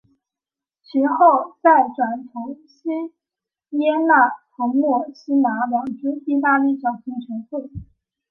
其后再转投锡耶纳和墨西拿两支意大利小型球会。